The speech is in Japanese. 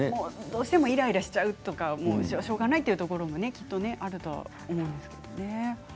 どうしてもイライラしてしまうのは、しょうがないというところもあると思いますけれどもね。